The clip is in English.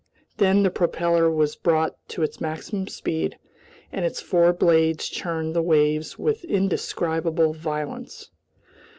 Then the propeller was brought to its maximum speed, and its four blades churned the waves with indescribable violence.